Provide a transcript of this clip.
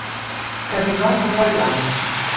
Casino Royale